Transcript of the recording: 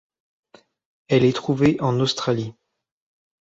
Elle est trouvée en Australie.